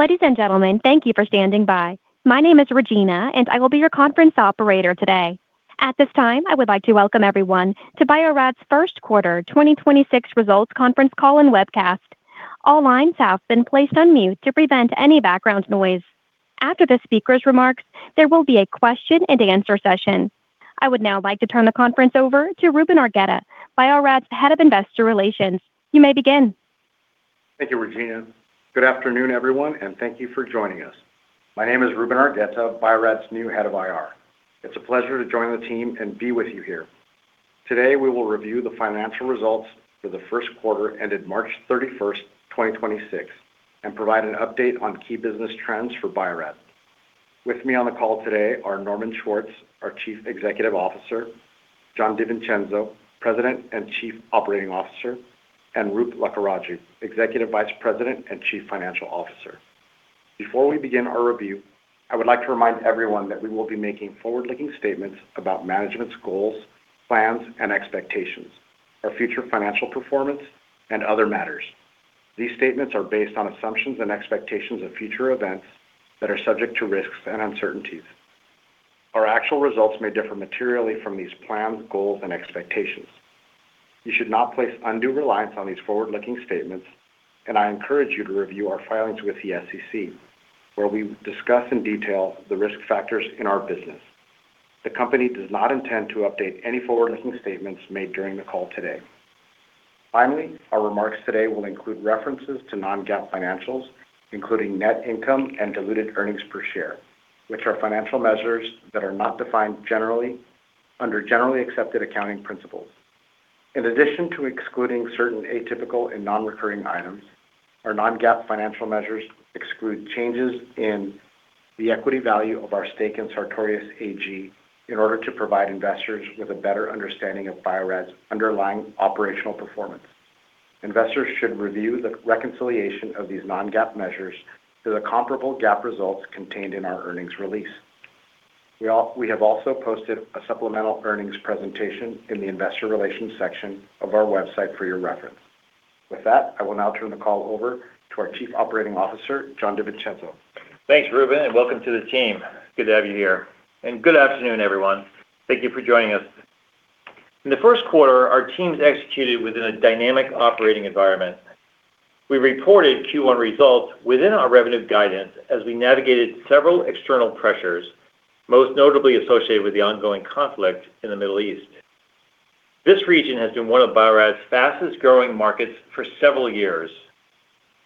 Ladies and gentlemen, thank you for standing by. My name is Regina, and I will be your conference operator today. At this time, I would like to welcome everyone to Bio-Rad's First Quarter 2026 Results Conference Call and Webcast. All lines have been placed on mute to prevent any background noise. After the speaker's remarks, there will be a question-and-answer session. I would now like to turn the conference over to Ruben Argueta, Bio-Rad's Head of Investor Relations. You may begin. Thank you, Regina. Good afternoon, everyone, and thank you for joining us. My name is Ruben Argueta, Bio-Rad's new Head of IR. It's a pleasure to join the team and be with you here. Today, we will review the financial results for the first quarter ended March 31st, 2026, and provide an update on key business trends for Bio-Rad. With me on the call today are Norman Schwartz, our Chief Executive Officer; Jon DiVincenzo, President and Chief Operating Officer; and Roop Lakkaraju, Executive Vice President and Chief Financial Officer. Before we begin our review, I would like to remind everyone that we will be making forward-looking statements about management's goals, plans and expectations, our future financial performance and other matters. These statements are based on assumptions and expectations of future events that are subject to risks and uncertainties. Our actual results may differ materially from these plans, goals and expectations. You should not place undue reliance on these forward-looking statements, and I encourage you to review our filings with the SEC, where we discuss in detail the risk factors in our business. The company does not intend to update any forward-looking statements made during the call today. Finally, our remarks today will include references to non-GAAP financials, including net income and diluted earnings per share, which are financial measures that are not defined generally under generally accepted accounting principles. In addition to excluding certain atypical and non-recurring items, our non-GAAP financial measures exclude changes in the equity value of our stake in Sartorius AG in order to provide investors with a better understanding of Bio-Rad's underlying operational performance. Investors should review the reconciliation of these non-GAAP measures to the comparable GAAP results contained in our earnings release. We have also posted a supplemental earnings presentation in the Investor Relations section of our website for your reference. With that, I will now turn the call over to our Chief Operating Officer, Jon DiVincenzo. Thanks, Ruben. Welcome to the team. Good to have you here. Good afternoon, everyone. Thank you for joining us. In the first quarter, our teams executed within a dynamic operating environment. We reported Q1 results within our revenue guidance as we navigated several external pressures, most notably associated with the ongoing conflict in the Middle East. This region has been one of Bio-Rad's fastest-growing markets for several years.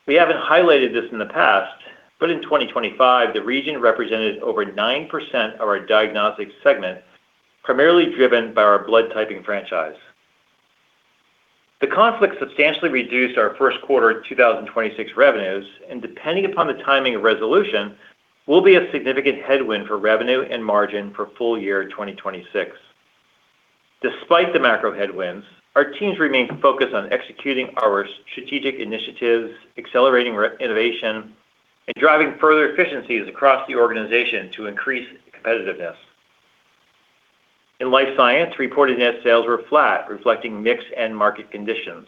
We haven't highlighted this in the past, but in 2025, the region represented over 9% of our diagnostic segment, primarily driven by our blood typing franchise. The conflict substantially reduced our first quarter 2026 revenues, and depending upon the timing of resolution, will be a significant headwind for revenue and margin for full year 2026. Despite the macro headwinds, our teams remain focused on executing our strategic initiatives, accelerating innovation, and driving further efficiencies across the organization to increase competitiveness. In life science, reported net sales were flat, reflecting mix and market conditions.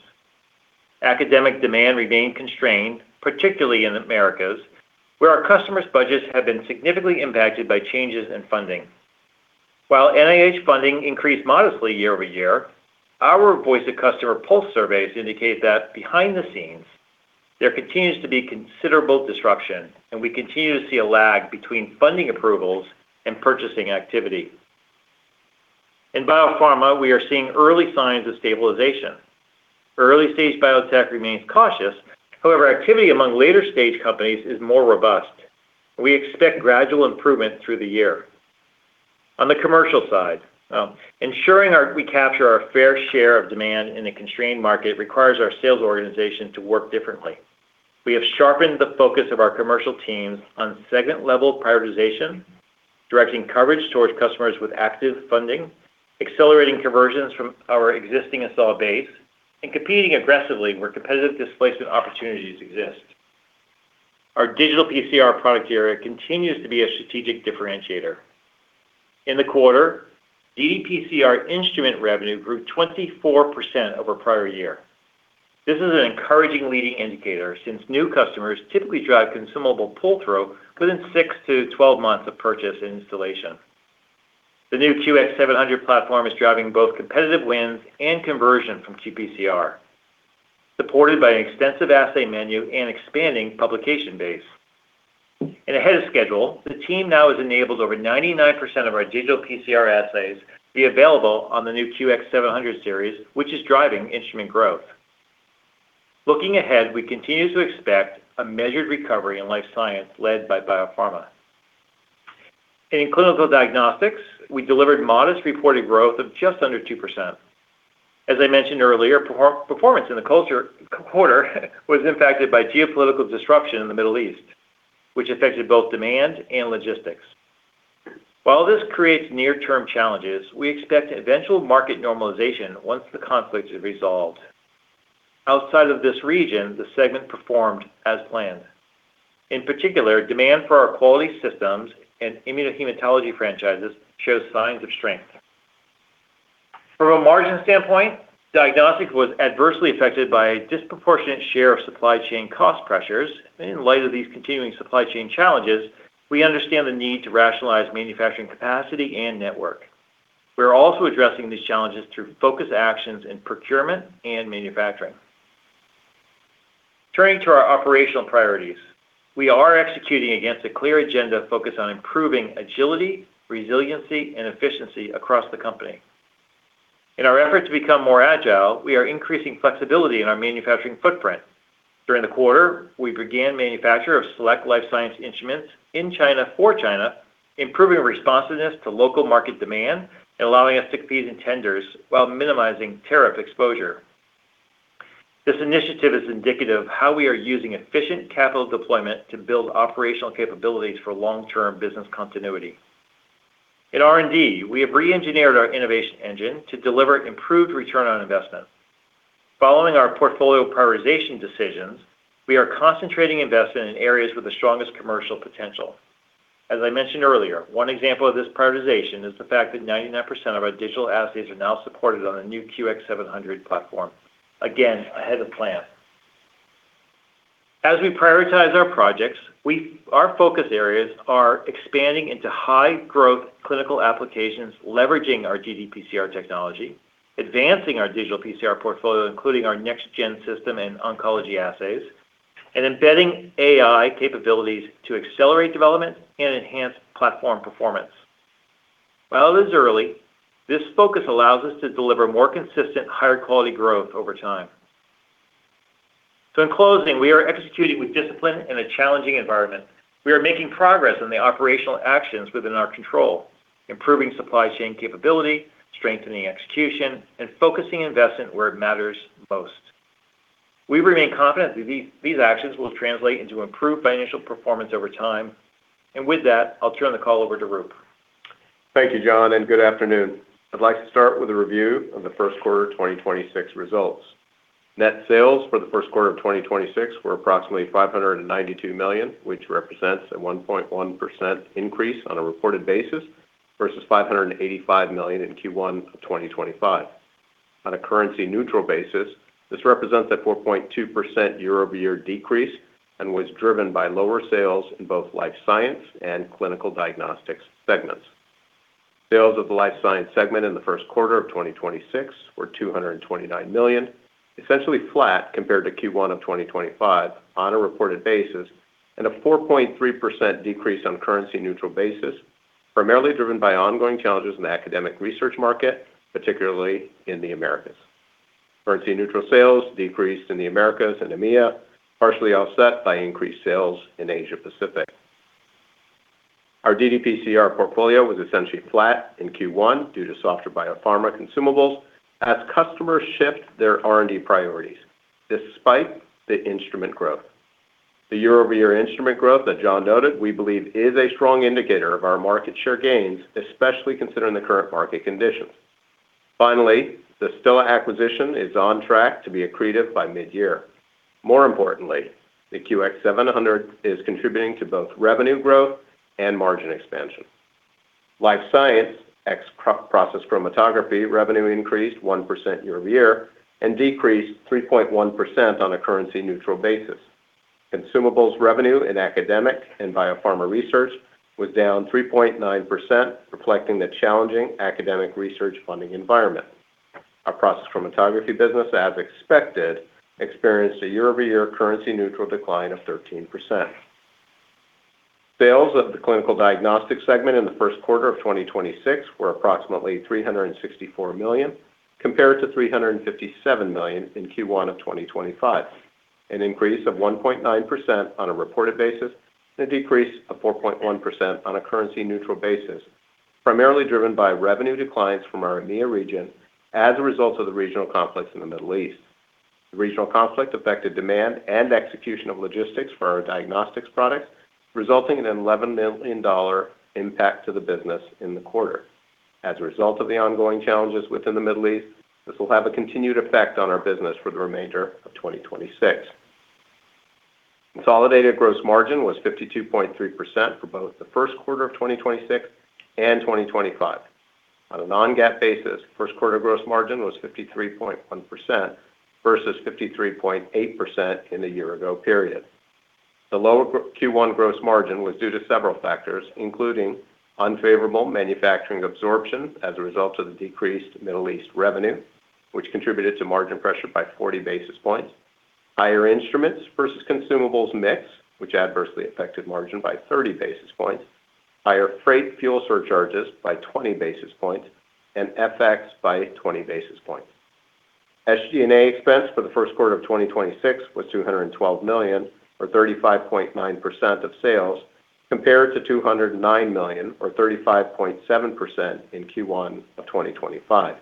Academic demand remained constrained, particularly in Americas, where our customers' budgets have been significantly impacted by changes in funding. While NIH funding increased modestly year-over-year, our voice of customer pulse surveys indicate that behind the scenes there continues to be considerable disruption, and we continue to see a lag between funding approvals and purchasing activity. In biopharma, we are seeing early signs of stabilization. Early-stage biotech remains cautious. However, activity among later-stage companies is more robust. We expect gradual improvement through the year. On the commercial side, ensuring we capture our fair share of demand in a constrained market requires our sales organization to work differently. We have sharpened the focus of our commercial teams on segment-level prioritization, directing coverage towards customers with active funding, accelerating conversions from our existing installed base, and competing aggressively where competitive displacement opportunities exist. Our digital PCR product area continues to be a strategic differentiator. In the quarter, ddPCR instrument revenue grew 24% over prior year. This is an encouraging leading indicator since new customers typically drive consumable pull-through within six-12 months of purchase and installation. The new QX700 platform is driving both competitive wins and conversion from qPCR, supported by an extensive assay menu and expanding publication base. Ahead of schedule, the team now has enabled over 99% of our digital PCR assays to be available on the new QX700 series, which is driving instrument growth. Looking ahead, we continue to expect a measured recovery in life science led by biopharma. In clinical diagnostics, we delivered modest reported growth of just under 2%. As I mentioned earlier, performance in the quarter was impacted by geopolitical disruption in the Middle East, which affected both demand and logistics. While this creates near-term challenges, we expect eventual market normalization once the conflict is resolved. Outside of this region, the segment performed as planned. In particular, demand for our quality systems and immunohematology franchises shows signs of strength. From a margin standpoint, diagnostics was adversely affected by a disproportionate share of supply chain cost pressures. In light of these continuing supply chain challenges, we understand the need to rationalize manufacturing capacity and network. We're also addressing these challenges through focused actions in procurement and manufacturing. Turning to our operational priorities, we are executing against a clear agenda focused on improving agility, resiliency, and efficiency across the company. In our efforts to become more agile, we are increasing flexibility in our manufacturing footprint. During the quarter, we began manufacture of select life science instruments In China for China, improving responsiveness to local market demand and allowing us to compete in tenders while minimizing tariff exposure. This initiative is indicative of how we are using efficient capital deployment to build operational capabilities for long-term business continuity. In R&D, we have re-engineered our innovation engine to deliver improved return on investment. Following our portfolio prioritization decisions, we are concentrating investment in areas with the strongest commercial potential. As I mentioned earlier, one example of this prioritization is the fact that 99% of our digital assays are now supported on the new QX700 platform, again, ahead of plan. As we prioritize our projects, our focus areas are expanding into high-growth clinical applications, leveraging our ddPCR technology, advancing our digital PCR portfolio, including our next-gen system and oncology assays, and embedding AI capabilities to accelerate development and enhance platform performance. While it is early, this focus allows us to deliver more consistent, higher quality growth over time. In closing, we are executing with discipline in a challenging environment. We are making progress on the operational actions within our control, improving supply chain capability, strengthening execution, and focusing investment where it matters most. We remain confident that these actions will translate into improved financial performance over time. With that, I'll turn the call over to Roop. Thank you, Jon, and good afternoon. I'd like to start with a review of the first quarter of 2026 results. Net sales for the first quarter of 2026 were approximately $592 million, which represents a 1.1% increase on a reported basis versus $585 million in Q1 of 2025. On a currency-neutral basis, this represents a 4.2% year-over-year decrease and was driven by lower sales in both Life Science and Clinical Diagnostics segments. Sales of the Life Science segment in the first quarter of 2026 were $229 million, essentially flat compared to Q1 of 2025 on a reported basis, and a 4.3% decrease on currency-neutral basis, primarily driven by ongoing challenges in the academic research market, particularly in the Americas. Currency-neutral sales decreased in the Americas and EMEA, partially offset by increased sales in Asia Pacific. Our ddPCR portfolio was essentially flat in Q1 due to softer biopharma consumables as customers shift their R&D priorities despite the instrument growth. The year-over-year instrument growth that Jon DiVincenzo noted, we believe is a strong indicator of our market share gains, especially considering the current market conditions. Finally, the Stilla acquisition is on track to be accretive by mid-year. More importantly, the QX700 is contributing to both revenue growth and margin expansion. Life science ex-Process Chromatography revenue increased 1% year-over-year and decreased 3.1% on a currency-neutral basis. Consumables revenue in academic and biopharma research was down 3.9%, reflecting the challenging academic research funding environment. Our Process Chromatography business, as expected, experienced a year-over-year currency-neutral decline of 13%. Sales of the clinical diagnostics segment in the first quarter of 2026 were approximately $364 million, compared to $357 million in Q1 of 2025, an increase of 1.9% on a reported basis and a decrease of 4.1% on a currency-neutral basis, primarily driven by revenue declines from our EMEA region as a result of the regional conflict in the Middle East. The regional conflict affected demand and execution of logistics for our diagnostics products, resulting in $11 million impact to the business in the quarter. As a result of the ongoing challenges within the Middle East, this will have a continued effect on our business for the remainder of 2026. Consolidated gross margin was 52.3% for both the first quarter of 2026 and 2025. On a non-GAAP basis, first quarter gross margin was 53.1% versus 53.8% in the year ago period. The lower Q1 gross margin was due to several factors, including unfavorable manufacturing absorption as a result of the decreased Middle East revenue, which contributed to margin pressure by 40 basis points, higher instruments versus consumables mix, which adversely affected margin by 30 basis points, higher freight fuel surcharges by 20 basis points, and FX by 20 basis points. SG&A expense for the first quarter of 2026 was $212 million or 35.9% of sales, compared to $209 million or 35.7% in Q1 of 2025.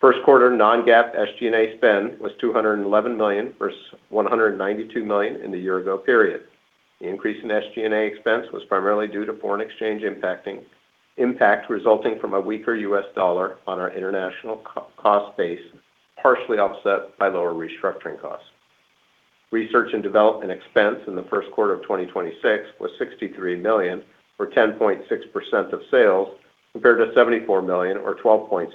First quarter non-GAAP SG&A spend was $211 million versus $192 million in the year ago period. The increase in SG&A expense was primarily due to foreign exchange impact resulting from a weaker U.S. dollar on our international cost base, partially offset by lower restructuring costs. Research and development expense in the first quarter of 2026 was $63 million, or 10.6% of sales, compared to $74 million, or 12.6%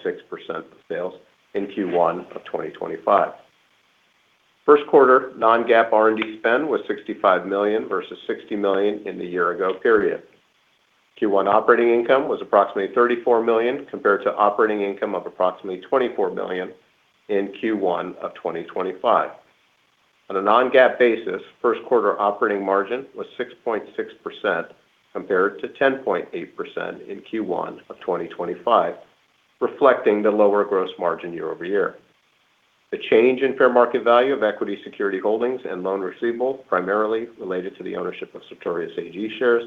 of sales in Q1 of 2025. First quarter non-GAAP R&D spend was $65 million versus $60 million in the year-ago period. Q1 operating income was approximately $34 million compared to operating income of approximately $24 million in Q1 of 2025. On a non-GAAP basis, first quarter operating margin was 6.6% compared to 10.8% in Q1 of 2025, reflecting the lower gross margin year-over-year. The change in fair market value of equity security holdings and loan receivables, primarily related to the ownership of Sartorius AG shares,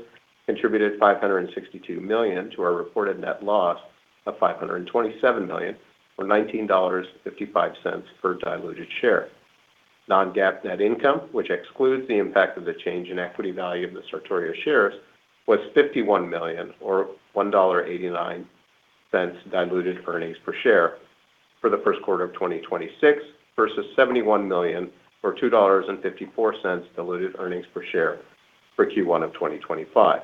contributed $562 million to our reported net loss of $527 million, or $19.55 per diluted share. Non-GAAP net income, which excludes the impact of the change in equity value of the Sartorius shares, was $51 million, or $1.89 diluted earnings per share for the first quarter of 2026 versus $71 million or $2.54 diluted earnings per share for Q1 of 2025.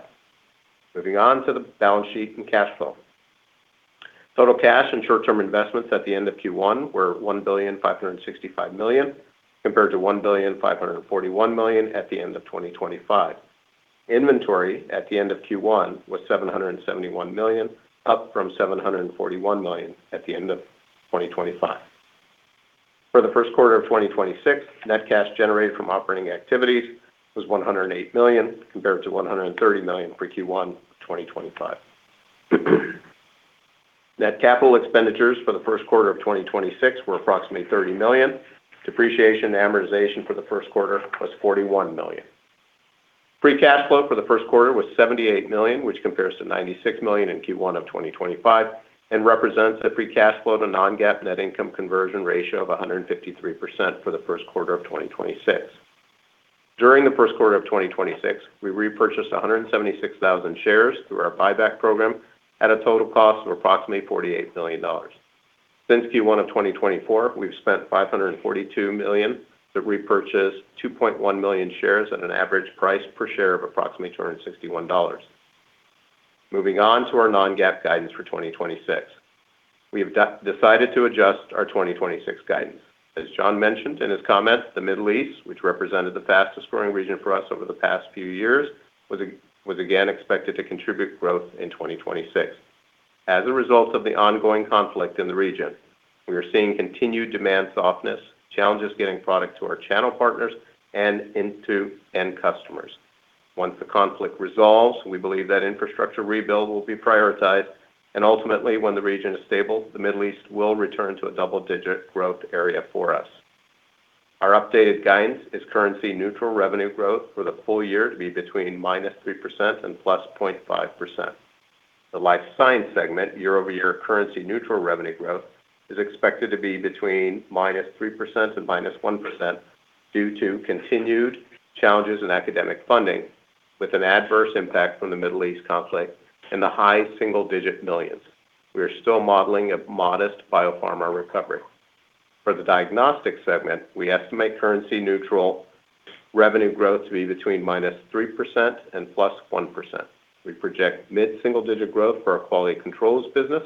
Moving on to the balance sheet and cash flow. Total cash and short-term investments at the end of Q1 were $1.565 billion compared to $1.541 billion at the end of 2025. Inventory at the end of Q1 was $771 million, up from $741 million at the end of 2025. For the first quarter of 2026, net cash generated from operating activities was $108 million compared to $130 million for Q1 2025. Net capital expenditures for the first quarter of 2026 were approximately $30 million. Depreciation and amortization for the first quarter was $41 million. Free cash flow for the first quarter was $78 million, which compares to $96 million in Q1 of 2025 and represents a free cash flow to non-GAAP net income conversion ratio of 153% for the first quarter of 2026. During the first quarter of 2026, we repurchased 176,000 shares through our buyback program at a total cost of approximately $48 million. Since Q1 of 2024, we've spent $542 million to repurchase 2.1 million shares at an average price per share of approximately $261. Moving on to our non-GAAP guidance for 2026. We have decided to adjust our 2026 guidance. As Jon mentioned in his comments, the Middle East, which represented the fastest-growing region for us over the past few years, was again expected to contribute growth in 2026. As a result of the ongoing conflict in the region, we are seeing continued demand softness, challenges getting product to our channel partners and into end customers. Once the conflict resolves, we believe that infrastructure rebuild will be prioritized, and ultimately, when the region is stable, the Middle East will return to a double-digit growth area for us. Our updated guidance is currency-neutral revenue growth for the full year to be between -3% and +0.5%. The life science segment year-over-year currency-neutral revenue growth is expected to be between -3% and -1% due to continued challenges in academic funding with an adverse impact from the Middle East conflict in the high single-digit millions. We are still modeling a modest biopharma recovery. For the diagnostics segment, we estimate currency-neutral revenue growth to be between -3% and +1%. We project mid-single digit growth for our quality controls business.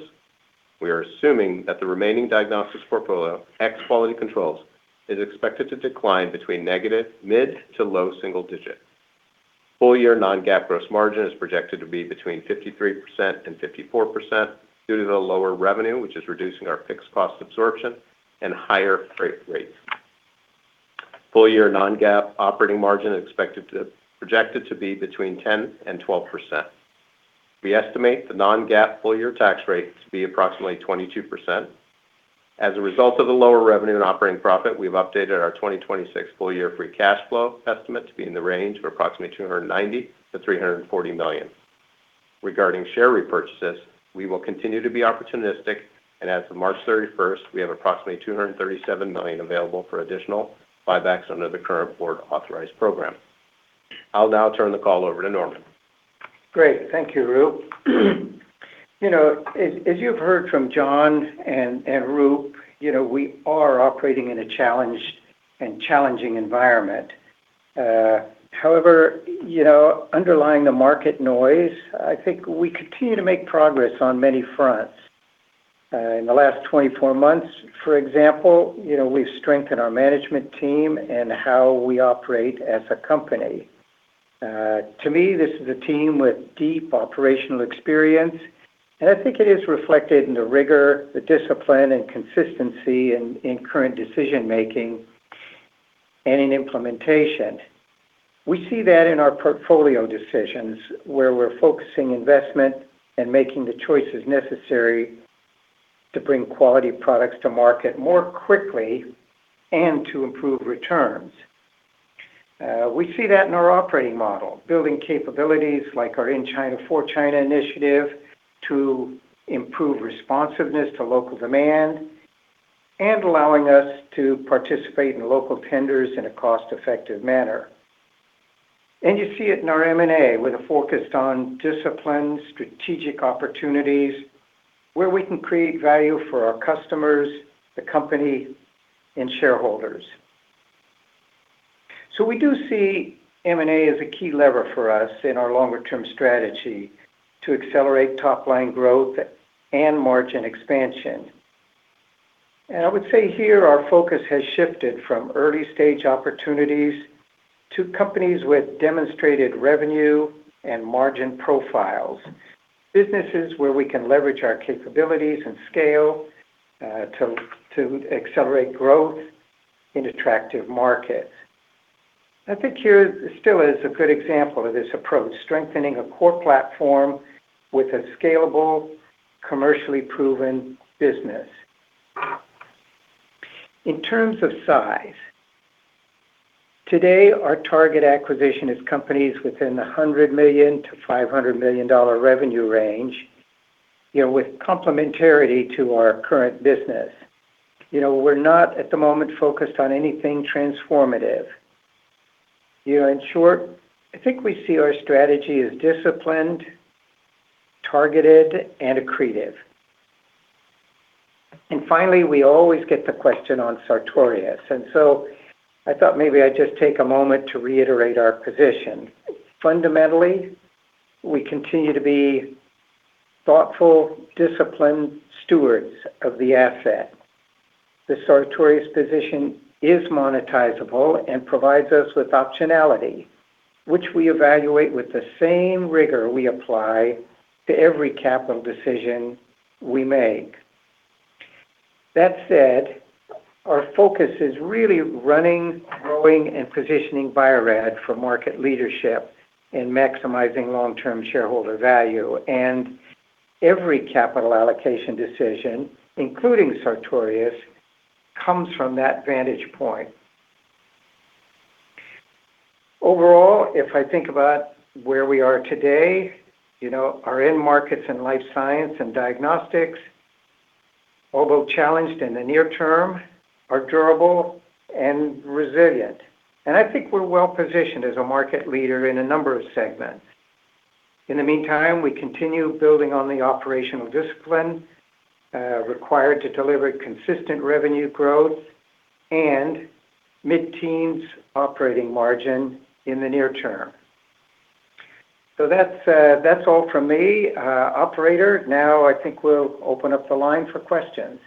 We are assuming that the remaining diagnostics portfolio, ex quality controls, is expected to decline between negative mid to low single digit. Full year non-GAAP gross margin is projected to be between 53% and 54% due to the lower revenue, which is reducing our fixed cost absorption and higher freight rates. Full year non-GAAP operating margin projected to be between 10% and 12%. We estimate the non-GAAP full year tax rate to be approximately 22%. As a result of the lower revenue and operating profit, we've updated our 2026 full year free cash flow estimate to be in the range of approximately $290 million-$340 million. Regarding share repurchases, we will continue to be opportunistic, and as of March 31st, we have approximately $237 million available for additional buybacks under the current board authorized program. I'll now turn the call over to Norman. Great. Thank you, Roop. You know, as you've heard from Jon and Roop, you know, we are operating in a challenged and challenging environment. However, you know, underlying the market noise, I think we continue to make progress on many fronts. In the last 24 months, for example, you know, we've strengthened our management team and how we operate as a company. To me, this is a team with deep operational experience, and I think it is reflected in the rigor, the discipline, and consistency in current decision-making and in implementation. We see that in our portfolio decisions where we're focusing investment and making the choices necessary to bring quality products to market more quickly and to improve returns. We see that in our operating model, building capabilities like our In China for China initiative to improve responsiveness to local demand and allowing us to participate in local tenders in a cost-effective manner. You see it in our M&A with a focus on disciplined strategic opportunities where we can create value for our customers, the company, and shareholders. We do see M&A as a key lever for us in our longer-term strategy to accelerate top line growth and margin expansion. I would say here our focus has shifted from early-stage opportunities to companies with demonstrated revenue and margin profiles, businesses where we can leverage our capabilities and scale to accelerate growth in attractive markets. I think Stilla Technologies is a good example of this approach, strengthening a core platform with a scalable, commercially proven business. In terms of size, today our target acquisition is companies within the $100 million-$500 million revenue range, you know, with complementarity to our current business. You know, we're not at the moment focused on anything transformative. You know, in short, I think we see our strategy as disciplined, targeted, and accretive. Finally, we always get the question on Sartorius, I thought maybe I'd just take a moment to reiterate our position. Fundamentally, we continue to be thoughtful, disciplined stewards of the asset. The Sartorius position is monetizable and provides us with optionality, which we evaluate with the same rigor we apply to every capital decision we make. That said, our focus is really running, growing, and positioning Bio-Rad for market leadership and maximizing long-term shareholder value. Every capital allocation decision, including Sartorius, comes from that vantage point. Overall, if I think about where we are today, you know, our end markets in life science and diagnostics, although challenged in the near term, are durable and resilient. I think we're well-positioned as a market leader in a number of segments. In the meantime, we continue building on the operational discipline required to deliver consistent revenue growth and mid-teens operating margin in the near term. That's all from me. Operator, now I think we'll open up the line for questions.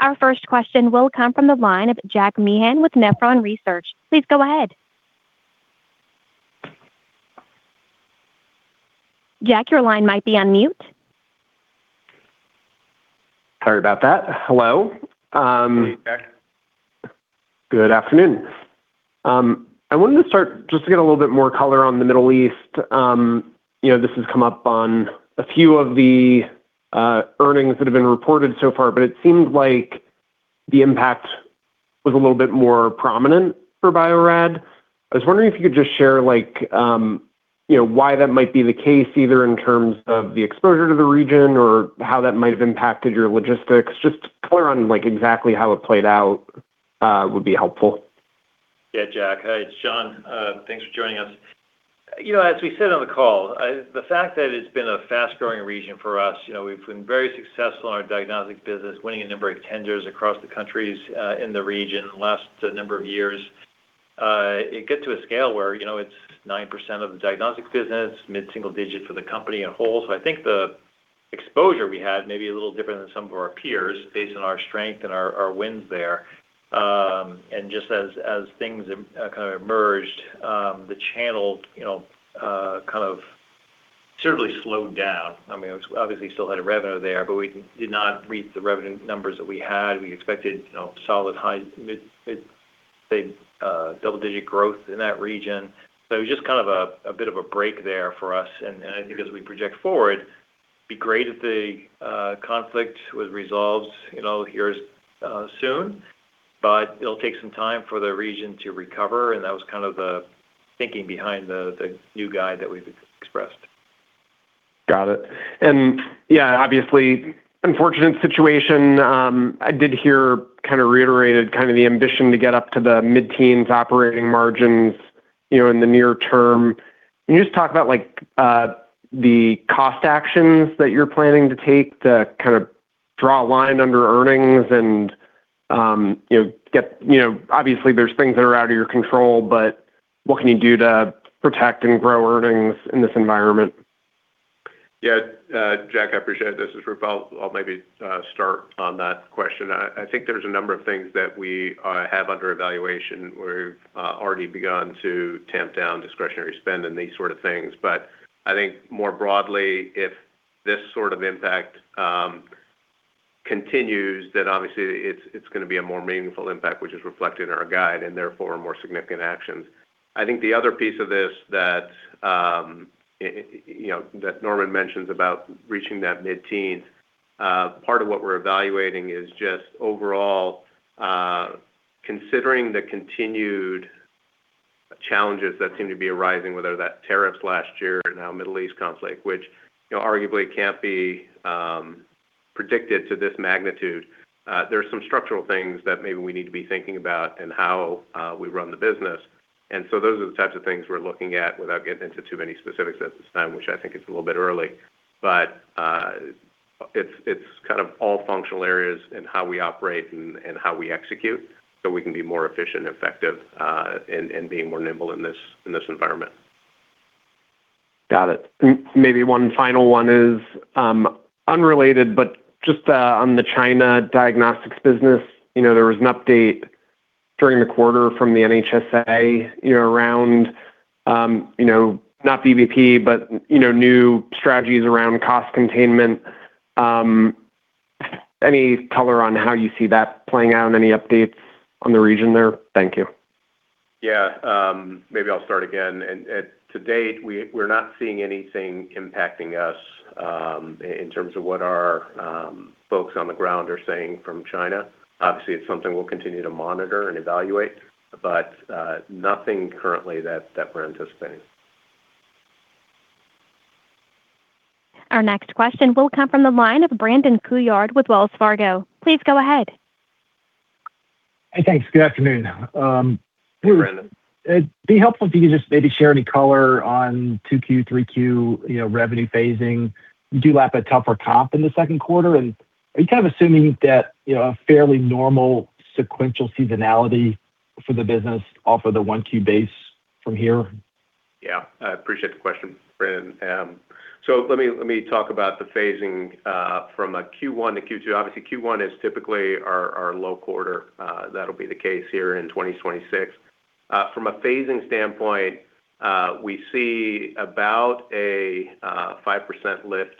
Our first question will come from the line of Jack Meehan with Nephron Research. Please go ahead. Jack, your line might be on mute. Sorry about that. Hello. Hey, Jack. Good afternoon. I wanted to start just to get a little bit more color on the Middle East. You know, this has come up on a few of the earnings that have been reported so far, but it seems like the impact was a little bit more prominent for Bio-Rad. I was wondering if you could just share like, you know, why that might be the case, either in terms of the exposure to the region or how that might have impacted your logistics. Just color on like exactly how it played out would be helpful. Yeah, Jack. Hey, it's Norman Schwartz. Thanks for joining us. You know, as we said on the call, the fact that it's been a fast-growing region for us, you know, we've been very successful in our diagnostic business, winning a number of tenders across the countries in the region the last number of years. It gets to a scale where, you know, it's 9% of the diagnostic business, mid-single digit for the company on the whole. I think the exposure we had may be a little different than some of our peers based on our strength and our wins there. Just as things kind of emerged, the channel, you know, kind of certainly slowed down. I mean, obviously still had a revenue there, but we did not reach the revenue numbers that we had. We expected, you know, solid high mid double-digit growth in that region. It was just kind of a bit of a break there for us. I think as we project forward, it'd be great if the conflict was resolved, you know, here soon, but it'll take some time for the region to recover. That was kind of the thinking behind the new guide that we've expressed. Got it. Yeah, obviously unfortunate situation. I did hear kind of reiterated kind of the ambition to get up to the mid-teens operating margins, you know, in the near term. Can you just talk about like, the cost actions that you're planning to take to kind of draw a line under earnings and, you know, You know, obviously there's things that are out of your control, but what can you do to protect and grow earnings in this environment? Yeah. Jack, I appreciate it. This is Roop. I'll maybe start on that question. I think there's a number of things that we have under evaluation. We've already begun to tamp down discretionary spend and these sort of things. I think more broadly, if this sort of impact continues, then obviously it's gonna be a more meaningful impact, which is reflected in our guide, and therefore more significant actions. I think the other piece of this that, you know, that Norman mentions about reaching that mid-teens part of what we're evaluating is just overall considering the continued challenges that seem to be arising, whether that tariffs last year, now Middle East conflict, which, you know, arguably can't be predicted to this magnitude. There's some structural things that maybe we need to be thinking about in how we run the business. Those are the types of things we're looking at without getting into too many specifics at this time, which I think is a little bit early. It's kind of all functional areas in how we operate and how we execute, so we can be more efficient and effective in being more nimble in this environment. Got it. Maybe one final one is unrelated, but just on the China diagnostics business, you know, there was an update during the quarter from the NHSA, you know, around, you know, not VBP, but you know, new strategies around cost containment. Any color on how you see that playing out? Any updates on the region there? Thank you. Yeah. Maybe I'll start again. To date, we're not seeing anything impacting us in terms of what our folks on the ground are saying from China. Obviously, it's something we'll continue to monitor and evaluate, but nothing currently that we're anticipating. Our next question will come from the line of Brandon Couillard with Wells Fargo. Please go ahead. Hey, thanks. Good afternoon. Hey, Brandon. It'd be helpful if you could just maybe share any color on 2Q, 3Q, you know, revenue phasing. You do lap a tougher comp in the second quarter, and are you kind of assuming that, you know, a fairly normal sequential seasonality for the business off of the 1Q base from here? Yeah. I appreciate the question, Brandon. Let me talk about the phasing from a Q1 to Q2. Obviously, Q1 is typically our low quarter. That'll be the case here in 2026. From a phasing standpoint, we see about a 5% lift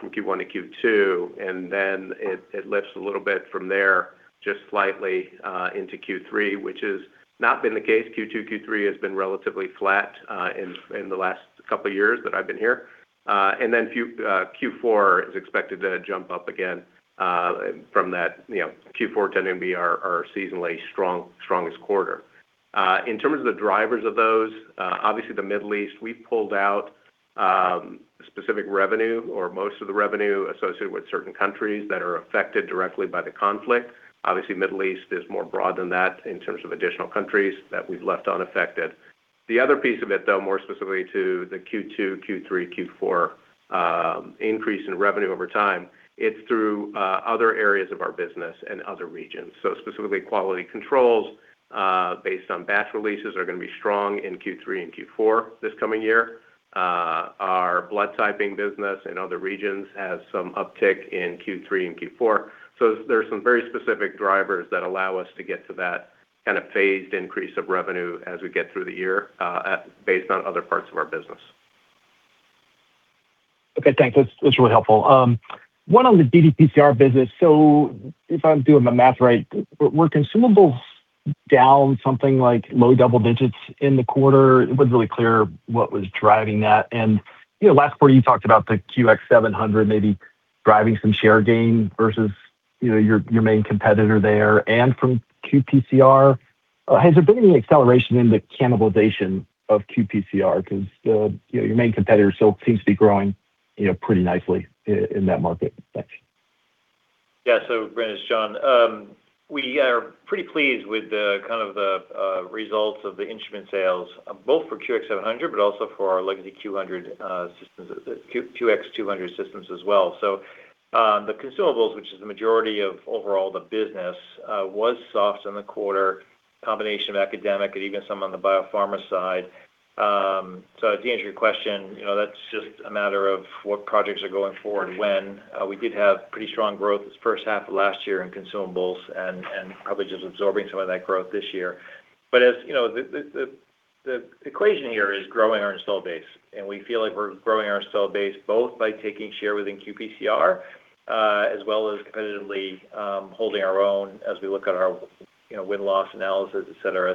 from Q1 to Q2, and then it lifts a little bit from there, just slightly, into Q3, which has not been the case. Q2, Q3 has been relatively flat in the last couple of years that I've been here. Then Q4 is expected to jump up again from that. You know, Q4 tending to be our seasonally strongest quarter. In terms of the drivers of those, obviously the Middle East, we pulled out, specific revenue or most of the revenue associated with certain countries that are affected directly by the conflict. Obviously, Middle East is more broad than that in terms of additional countries that we've left unaffected. The other piece of it, though, more specifically to the Q2, Q3, Q4, increase in revenue over time, it's through, other areas of our business and other regions. Specifically quality controls, based on batch releases are gonna be strong in Q3 and Q4 this coming year. Our blood typing business in other regions has some uptick in Q3 and Q4. There are some very specific drivers that allow us to get to that kind of phased increase of revenue as we get through the year, based on other parts of our business. Okay, thanks. That's, that's really helpful. 1 on the ddPCR business. If I'm doing my math right, were consumables down something like low double digits in the quarter? It wasn't really clear what was driving that. You know, last quarter, you talked about the QX700 maybe driving some share gain versus, you know, your main competitor there. From qPCR, has there been any acceleration in the cannibalization of qPCR? The, you know, your main competitor still seems to be growing, you know, pretty nicely in that market. Thanks. Brandon, it's Jon. We are pretty pleased with the kind of the results of the instrument sales, both for QX700, but also for our legacy QX100 systems, QX200 systems as well. The consumables, which is the majority of overall the business, was soft in the quarter, combination of academic and even some on the biopharma side. To answer your question, you know, that's just a matter of what projects are going forward when. We did have pretty strong growth this first half of last year in consumables and probably just absorbing some of that growth this year. As you know, the equation here is growing our install base, and we feel like we're growing our install base both by taking share within qPCR, as well as competitively holding our own as we look at our, you know, win-loss analysis, et cetera.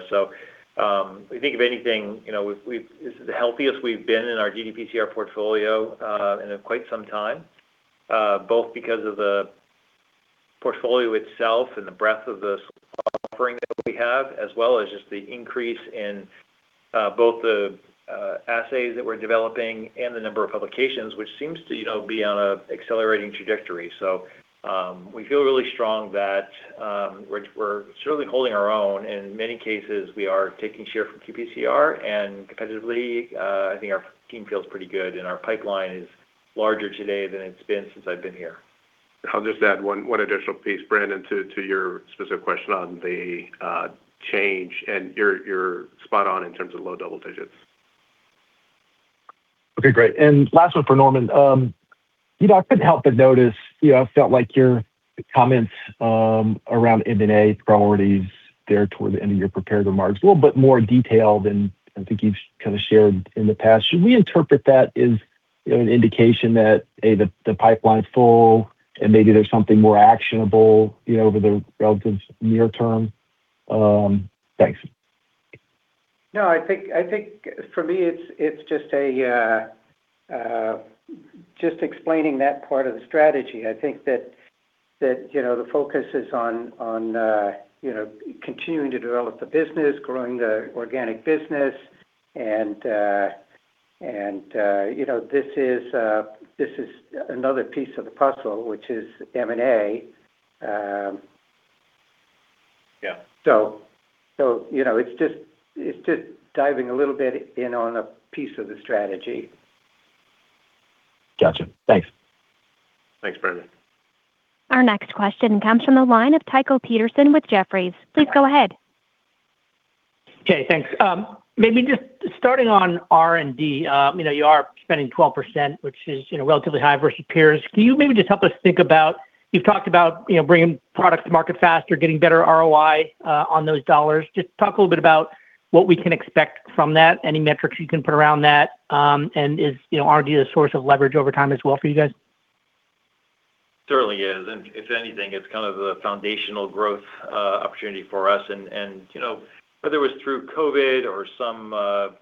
I think if anything, you know, this is the healthiest we've been in our ddPCR portfolio in quite some time, both because of the portfolio itself and the breadth of the offering that we have, as well as just the increase in both the assays that we're developing and the number of publications, which seems to, you know, be on an accelerating trajectory. We feel really strong that we're certainly holding our own. In many cases, we are taking share from qPCR. Competitively, I think our team feels pretty good, and our pipeline is larger today than it's been since I've been here. I'll just add one additional piece, Brandon, to your specific question on the change, and you're spot on in terms of low double digits. Okay, great. Last one for Norman. You know, I couldn't help but notice, you know, I felt like your comments around M&A priorities there toward the end of your prepared remarks, a little bit more detailed than I think you've kind of shared in the past. Should we interpret that as, you know, an indication that, A, the pipeline's full and maybe there's something more actionable, you know, over the relative near term? Thanks. No, I think for me it's just explaining that part of the strategy. I think that. That, you know, the focus is on, you know, continuing to develop the business, growing the organic business, and, you know, this is another piece of the puzzle, which is M&A. Yeah You know, it's just diving a little bit in on a piece of the strategy. Gotcha. Thanks. Thanks, Brandon. Our next question comes from the line of Tycho Peterson with Jefferies. Please go ahead. Okay, thanks. Maybe just starting on R&D, you know, you are spending 12%, which is, you know, relatively high versus peers. Can you maybe just help us think about? You've talked about, you know, bringing products to market faster, getting better ROI, on those dollars. Just talk a little bit about what we can expect from that, any metrics you can put around that, is, you know, R&D a source of leverage over time as well for you guys? Certainly is. If anything, it's kind of a foundational growth opportunity for us. You know, whether it was through COVID or some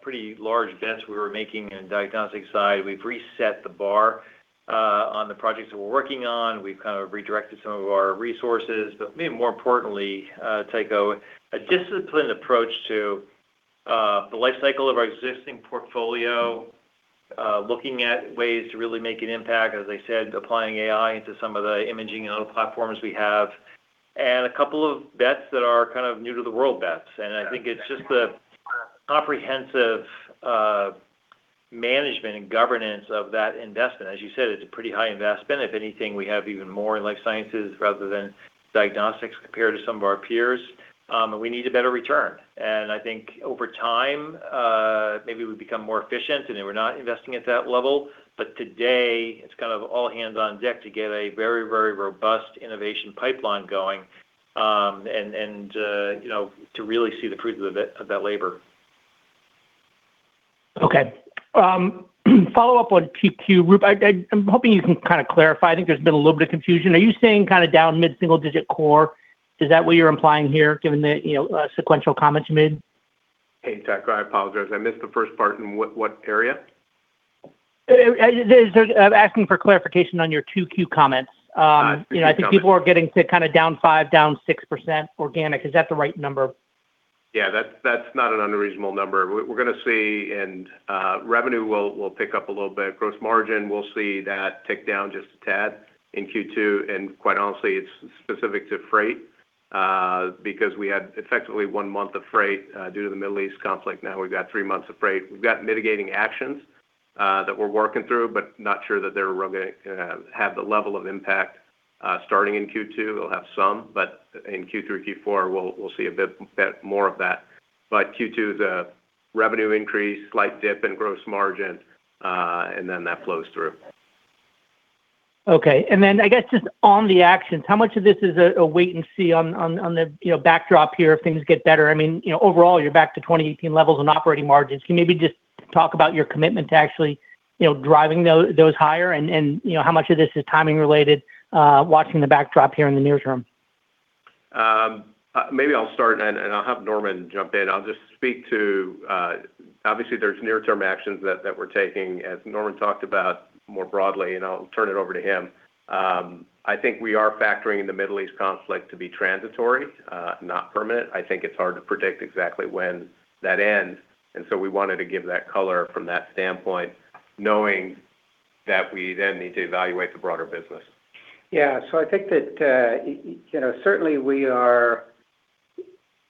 pretty large bets we were making in diagnostic side, we've reset the bar on the projects that we're working on. We've kind of redirected some of our resources. Maybe more importantly, Tycho, a disciplined approach to the life cycle of our existing portfolio, looking at ways to really make an impact, as I said, applying AI into some of the imaging and other platforms we have, and a couple of bets that are kind of new to the world bets. I think it's just the comprehensive management and governance of that investment. As you said, it's a pretty high investment. If anything, we have even more in life sciences rather than diagnostics compared to some of our peers. We need a better return. I think over time, maybe we become more efficient, and then we're not investing at that level. Today, it's kind of all hands on deck to get a very, very robust innovation pipeline going, and, you know, to really see the fruits of that, of that labor. Okay. Follow-up on 2Q, Roop. I'm hoping you can kind of clarify. I think there's been a little bit of confusion. Are you saying kind of down mid-single digit core? Is that what you're implying here, given the, you know, sequential comments you made? Hey, Tycho, I apologize. I missed the first part. In what area? I'm asking for clarification on your 2Q comments. 2Q comments. You know, I think people are getting to kind of down 5%, down 6% organic. Is that the right number? Yeah. That's, that's not an unreasonable number. We're gonna see, and revenue will pick up a little bit. Gross margin, we'll see that tick down just a tad in Q2, and quite honestly, it's specific to freight, because we had effectively one month of freight due to the Middle East conflict. Now we've got three months of freight. We've got mitigating actions that we're working through, but not sure that they're gonna have the level of impact starting in Q2. They'll have some, but in Q3, Q4, we'll see a bit more of that. Q2, the revenue increase, slight dip in gross margin, and then that flows through. Okay. I guess just on the actions, how much of this is a wait and see on the, you know, backdrop here if things get better? I mean, you know, overall, you're back to 2018 levels in operating margins. Can you maybe just talk about your commitment to actually, you know, driving those higher and, you know, how much of this is timing related, watching the backdrop here in the near term? Maybe I'll start, and I'll have Norman jump in. I'll just speak to, obviously, there's near-term actions that we're taking, as Norman talked about more broadly, and I'll turn it over to him. I think we are factoring in the Middle East conflict to be transitory, not permanent. I think it's hard to predict exactly when that ends. We wanted to give that color from that standpoint, knowing that we then need to evaluate the broader business. Yeah. I think that, you know, certainly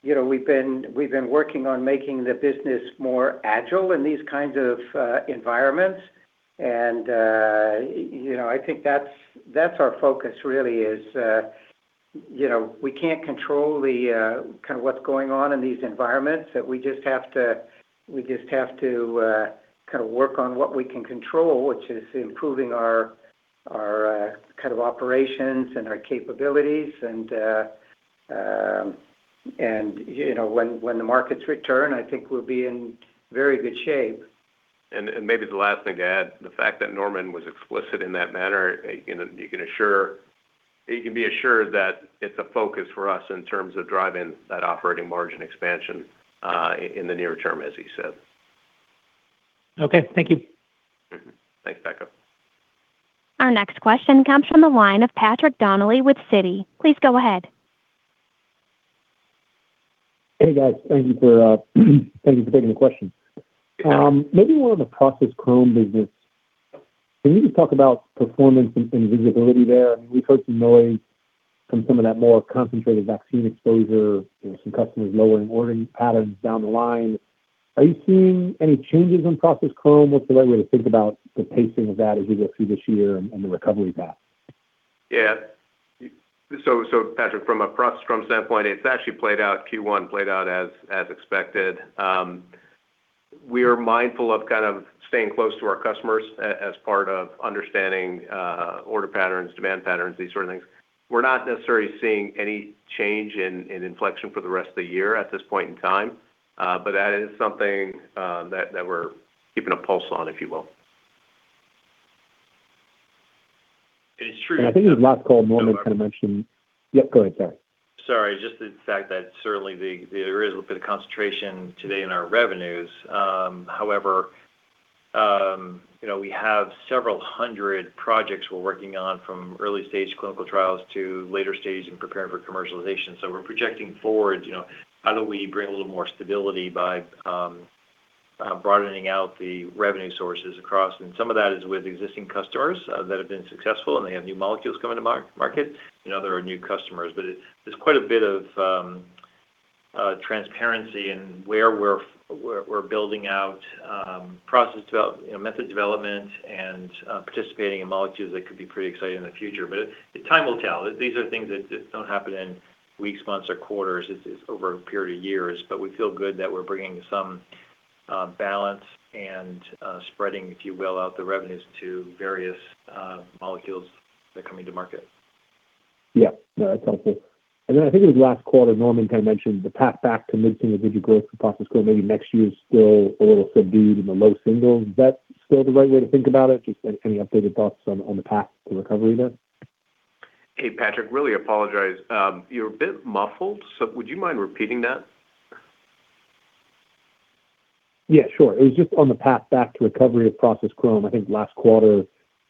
we've been working on making the business more agile in these kinds of environments. I think that's our focus really is, you know, we can't control the kind of what's going on in these environments, and we just have to kind of work on what we can control, which is improving our kind of operations and our capabilities. You know, when the markets return, I think we'll be in very good shape. Maybe the last thing to add, the fact that Norman was explicit in that manner, you know, you can be assured that it's a focus for us in terms of driving that operating margin expansion in the near term, as he said. Okay. Thank you. Mm-hmm. Thanks, Tycho. Our next question comes from the line of Patrick Donnelly with Citi. Please go ahead. Hey, guys. Thank you for, thank you for taking the question. Maybe more on the Process Chromatography business. Can you just talk about performance and visibility there? I mean, we've heard some noise from some of that more concentrated vaccine exposure. You know, some customers lowering ordering patterns down the line. Are you seeing any changes in Process Chromatography? What's the right way to think about the pacing of that as we go through this year and the recovery path? Patrick, from a Process Chromatography standpoint, it's actually played out, Q1 played out as expected. We are mindful of kind of staying close to our customers as part of understanding order patterns, demand patterns, these sort of things. We're not necessarily seeing any change in inflection for the rest of the year at this point in time. That is something that we're keeping a pulse on, if you will. I think in the last call, Norman kind of mentioned. Yeah, go ahead, sorry. Sorry. Just the fact that certainly the, there is a bit of concentration today in our revenues. however You know, we have several hundred projects we're working on from early stage clinical trials to later stage and preparing for commercialization. We're projecting forward, you know, how do we bring a little more stability by broadening out the revenue sources across? Some of that is with existing customers that have been successful, and they have new molecules coming to market and other new customers. There's quite a bit of transparency in where we're building out process development, you know, method development and participating in molecules that could be pretty exciting in the future. Time will tell. These are things that don't happen in weeks, months or quarters. It's over a period of years. We feel good that we're bringing some balance and spreading, if you will, out the revenues to various molecules that are coming to market. Yeah. No, that's helpful. I think it was last quarter, Norman kind of mentioned the path back to mid-single-digit growth for Process Chromatography. Maybe next year is still a little subdued in the low-single. Is that still the right way to think about it? Just any updated thoughts on the path to recovery there? Hey, Patrick, really apologize. You're a bit muffled, so would you mind repeating that? Yeah, sure. It was just on the path back to recovery of Process Chromatography. I think last quarter,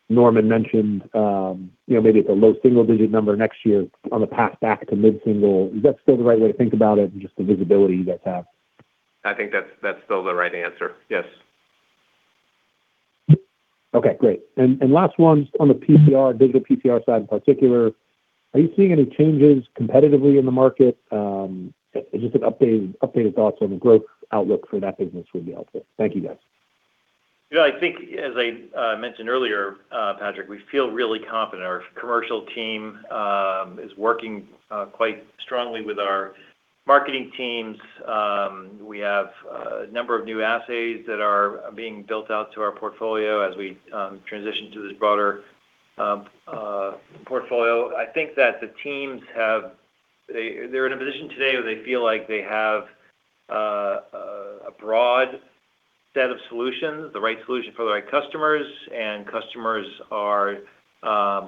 Norman mentioned, you know, maybe it's a low single-digit number next year on the path back to mid-single. Is that still the right way to think about it and just the visibility you guys have? I think that's still the right answer. Yes. Okay, great. Last one, on the PCR, digital PCR side in particular, are you seeing any changes competitively in the market? Just an updated thoughts on the growth outlook for that business would be helpful. Thank you, guys. Yeah, I think as I mentioned earlier, Patrick, we feel really confident. Our commercial team is working quite strongly with our marketing teams. We have a number of new assays that are being built out to our portfolio as we transition to this broader portfolio. I think that the teams they're in a position today where they feel like they have a broad set of solutions, the right solution for the right customers. Customers are, I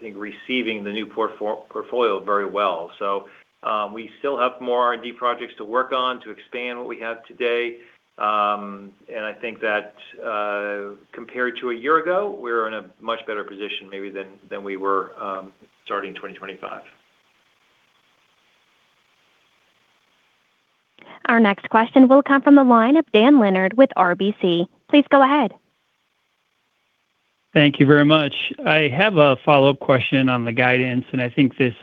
think, receiving the new portfolio very well. We still have more R&D projects to work on to expand what we have today. I think that compared to a year ago, we're in a much better position maybe than we were starting 2025. Our next question will come from the line of Dan Leonard with RBC. Please go ahead. Thank you very much. I have a follow-up question on the guidance. I think this,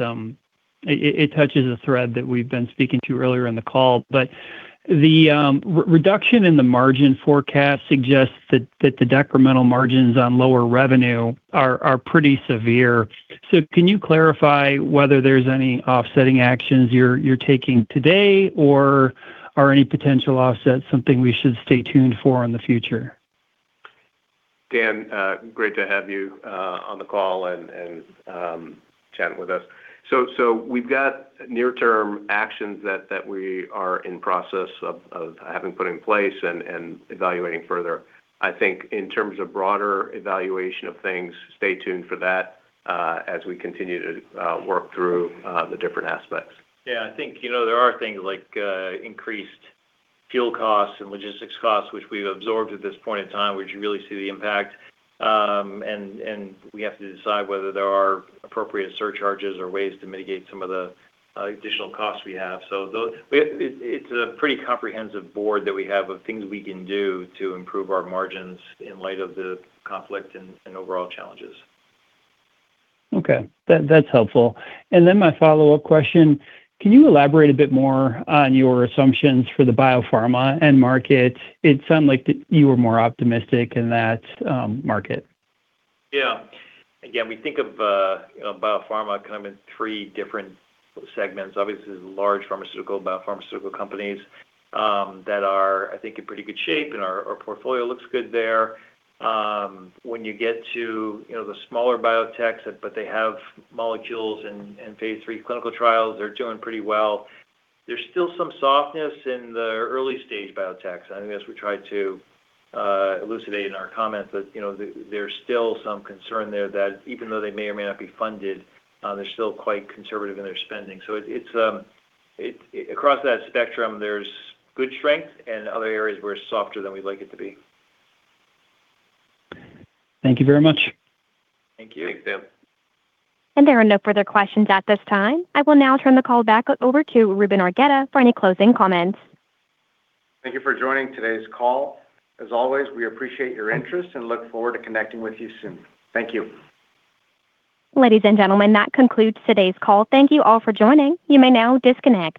it touches a thread that we've been speaking to earlier in the call. The reduction in the margin forecast suggests that the decremental margins on lower revenue are pretty severe. Can you clarify whether there's any offsetting actions you're taking today or are any potential offsets something we should stay tuned for in the future? Dan, great to have you on the call and chatting with us. We've got near-term actions that we are in process of having put in place and evaluating further. I think in terms of broader evaluation of things, stay tuned for that, as we continue to work through the different aspects. Yeah, I think, you know, there are things like increased fuel costs and logistics costs which we've absorbed at this point in time, which you really see the impact. We have to decide whether there are appropriate surcharges or ways to mitigate some of the additional costs we have. But it's a pretty comprehensive board that we have of things we can do to improve our margins in light of the conflict and overall challenges. Okay. That's helpful. Then my follow-up question, can you elaborate a bit more on your assumptions for the biopharma end market? It sounded like that you were more optimistic in that market. Again, we think of, you know, biopharma kind of in three different segments. Obviously, there's large pharmaceutical, biopharmaceutical companies that are, I think, in pretty good shape, and our portfolio looks good there. When you get to, you know, the smaller biotechs, but they have molecules in phase III clinical trials, they're doing pretty well. There's still some softness in the early-stage biotechs, and I guess we tried to elucidate in our comments that, you know, there's still some concern there that even though they may or may not be funded, they're still quite conservative in their spending. It's across that spectrum, there's good strength and other areas where it's softer than we'd like it to be. Thank you very much. Thank you. [Dan]. There are no further questions at this time. I will now turn the call back over to Ruben Argueta for any closing comments. Thank you for joining today's call. As always, we appreciate your interest and look forward to connecting with you soon. Thank you. Ladies and gentlemen, that concludes today's call. Thank you all for joining. You may now disconnect.